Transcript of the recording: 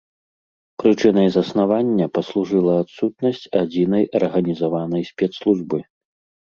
Прычынай заснавання паслужыла адсутнасць адзінай арганізаванай спецслужбы.